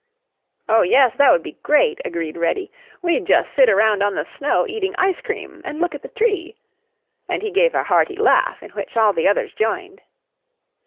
"Oh, yes, that would be great," agreed Reddy. "We'd just sit around on the snow eating ice cream and look at the tree," and he gave a hearty laugh in which all the others joined.